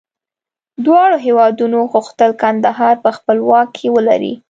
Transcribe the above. دواړو هېوادونو غوښتل کندهار په خپل واک کې ولري.